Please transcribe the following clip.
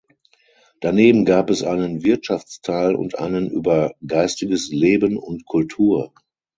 Daneben gab es einen Wirtschaftsteil und einen über geistiges Leben und Kultur.